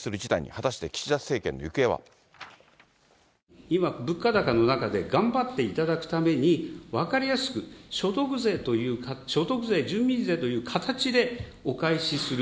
果たして、今、物価高の中で、頑張っていただくために、分かりやすく所得税、住民税という形でお返しする。